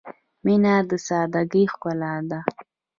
• مینه د سادګۍ ښکلا ده.